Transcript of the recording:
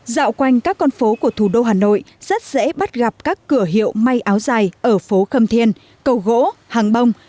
dạo quanh các con phố của thủ đô hà nội rất dễ bắt gặp các cửa hiệu may áo dài ở phố khâm thiên cầu gỗ hàng bông